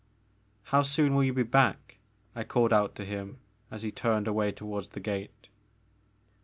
How soon will you be back ?I called out to him as he turned away toward the gate.